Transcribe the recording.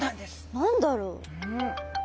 何だろう？